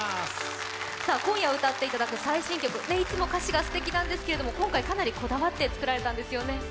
今夜歌っていただく最新曲、いつも歌詞がすてきなんですけれども、今回、かなりこだわって作られたんですよね。